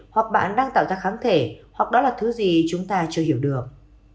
hoặc bạn đang tạo ra kháng thể hoặc đó là thứ gì chúng ta chưa hiểu được